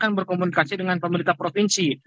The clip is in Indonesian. dan berkomunikasi dengan pemerintah provinsi